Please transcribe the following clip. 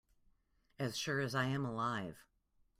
As sure as I am alive.